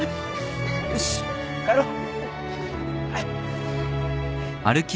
よし帰ろう。